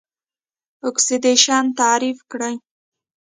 اکسیدیشن تعریف کړئ.